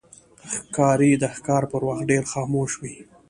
ښکاري د ښکار پر وخت ډېر خاموش وي.